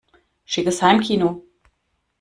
Schickes Heimkino!